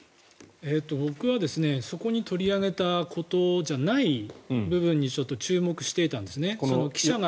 僕はそこに取り上げたことじゃない部分にちょっと注目していたんですね。